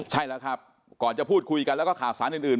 ใช่แล้วครับก่อนจะพูดคุยกันแล้วก็ข่าวสารอื่น